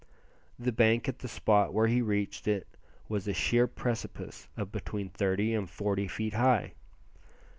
The bank at the spot where he reached it was a sheer precipice of between thirty and forty feet high.